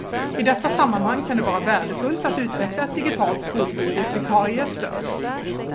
I detta sammanhang kan det vara värdefullt att utveckla ett digitalt skolbibliotekariestöd.